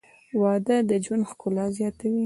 • واده د ژوند ښکلا زیاتوي.